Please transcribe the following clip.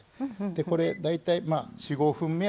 これ大体４５分目安。